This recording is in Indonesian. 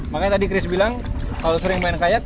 makanya tadi chris bilang kalau sering main kayak